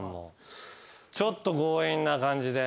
ちょっと強引な感じで。